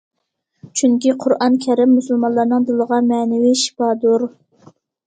چۈنكى قۇرئان كەرىم مۇسۇلمانلارنىڭ دىلىغا مەنىۋى شىپادۇر.